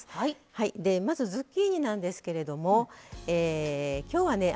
でまずズッキーニなんですけれどもえ今日はね